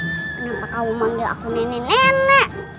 kenapa kamu manggil aku nenek nenek